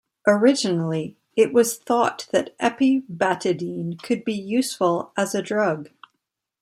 Originally, it was thought that epibatidine could be useful as a drug.